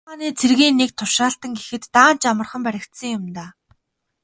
Эзэн хааны цэргийн нэг тушаалтан гэхэд даанч амархан баригдсан юм даа.